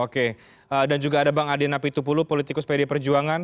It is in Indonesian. oke dan juga ada bang adien apitupulu politikus pdi perjuangan